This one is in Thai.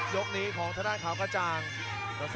ยกนี้ของควังเขาจัง